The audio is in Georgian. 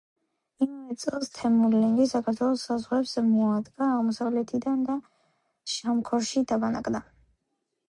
იმავე წელს თემურლენგი საქართველოს საზღვრებს მოადგა აღმოსავლეთიდან და შამქორში დაბანაკდა.